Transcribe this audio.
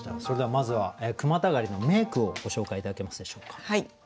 それではまずは句またがりの名句をご紹介頂けますでしょうか。